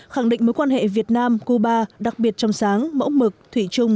khẳng định mối quan hệ việt nam cuba đặc biệt trong sáng mẫu mực thủy chung